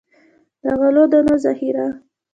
د غلو دانو ذخیره.